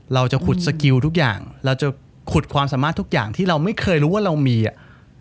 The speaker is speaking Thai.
เราจะขุดสกิลทุกอย่างเราจะขุดความสามารถทุกอย่างที่เราไม่เคยรู้ว่าเรามีอ่ะ